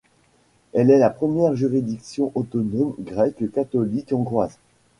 Elle est la première juridiction autonome grecque-catholique hongroise.